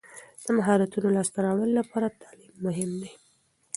د مهارتونو لاسته راوړلو لپاره تعلیم مهم دی.